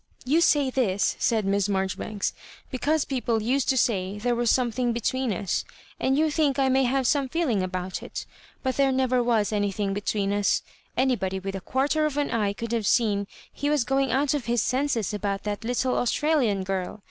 '< You say this," said Miss Marjoribanks^ *' because people used to say there was something between us, and you think I may have some feeling about it. But tiiere never was anything between us. Anybody with a quarter of an eye could have seen he was going out of his senses about that little Australian girl.